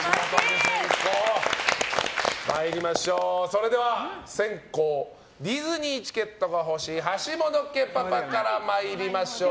それでは先攻ディズニーチケットが欲しい橋本家パパから参りましょう。